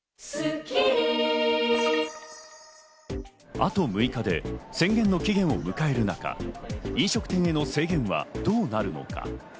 あと６日で宣言の期限を迎える中、飲食店への制限はどうなるのか。